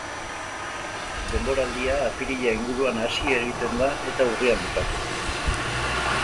Denboraldia apirila inguruan hasi egiten da eta urrian bukatu.